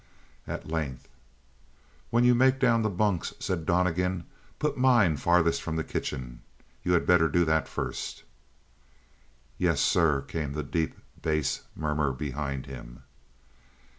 At length: "When you make down the bunks," said Donnegan, "put mine farthest from the kitchen. You had better do that first." "Yes sir," came the deep bass murmur behind him.